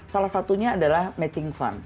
salah satunya adalah matching fund